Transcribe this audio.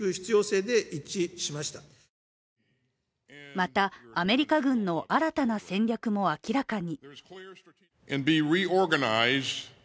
また、アメリカ軍の新たな戦略も明らかに。